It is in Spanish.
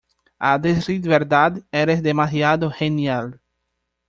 A decir verdad , eres demasiado genial .